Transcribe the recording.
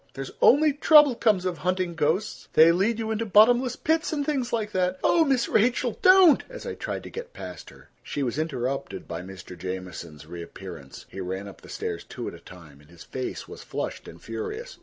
There's only trouble comes of hunting ghosts; they lead you into bottomless pits and things like that. Oh, Miss Rachel, don't—" as I tried to get past her. She was interrupted by Mr. Jamieson's reappearance. He ran up the stairs two at a time, and his face was flushed and furious.